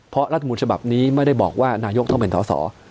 เพราะรัฐมนต์ฉบับนี้ไม่ได้บอกว่านายกต้องเป็นสอสอ